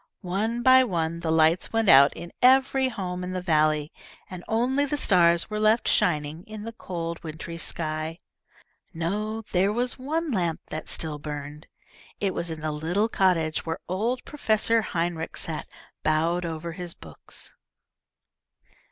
One by one the lights went out in every home in the valley, and only the stars were left shining, in the cold wintry sky. No, there was one lamp that still burned. It was in the little cottage where old Professor Heinrich sat bowed over his books.